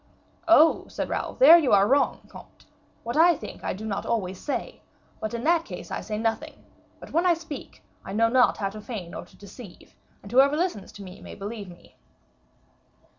"Oh," said Raoul, "there you are wrong, comte; what I think I do not always say, but in that case I say nothing; but when I speak, I know not how to feign or to deceive; and whoever listens to me may believe me."